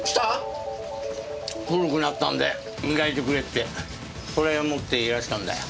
古くなったんで磨いてくれってそれを持っていらしたんだよ。